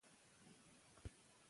خوشالي هڅونه زیاتوي.